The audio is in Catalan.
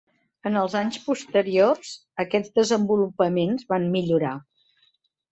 En els anys posteriors, aquests desenvolupaments van millorar.